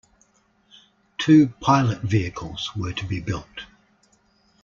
Two pilot vehicles were to be built.